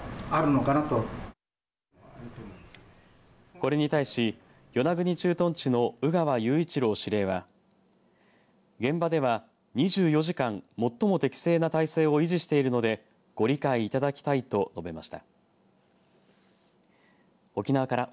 これに対し、与那国駐屯地の鵜川優一郎司令は現場では２４時間最も適正な態勢を維持しているのでご理解いただきたいと述べました。